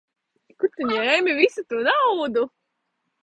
Kur tu ņēmi visu to naudu?